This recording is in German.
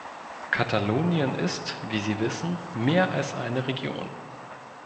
Katalonien ist, wie Sie wissen, mehr als eine Region.